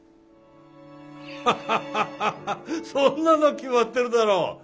ハハハハハッそんなの決まってるだろ。